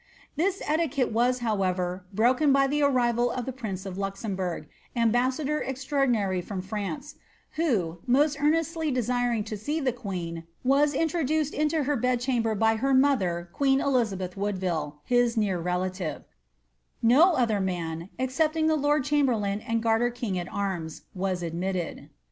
Tliis etiquette was, however, broken by the arrival of the prince of Luxembourg, ambassador extraordinary from France, who, most eamesdy desiring to see the queen, was introduced into her bed chamber by htf mother queen Elizabeth Woodville, his near relative ; no other man, ex cepting the lord chamberlain and Garter king at arms, was admitted.